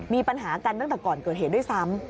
มีปัญหากันตั้งแต่ก่อนเกิดเหตุด้วยซ้ำ